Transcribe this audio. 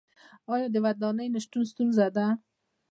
آیا د ودانیو نشتون ستونزه ده؟